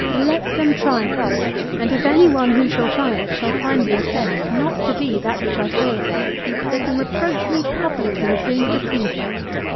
Let them try it; and if any one, who shall try it, shall find the effect not to be that which I say it is, let him reproach me publicly with being a deceiver.